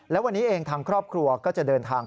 และวันนี้เองทางครอบครัวก็จะเดินทาง